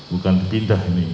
bukan dipindah ini